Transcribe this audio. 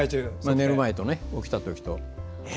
寝る前と起きたときと。